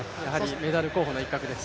メダル候補の一角です。